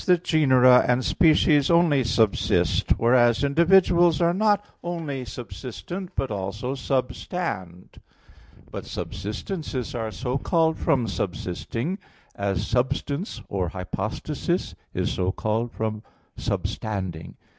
Nat.) that genera and species only subsist; whereas individuals are not only subsistent, but also substand. But subsistences are so called from subsisting, as substance or hypostasis is so called from substanding.